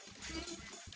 mereka semua sudah berhenti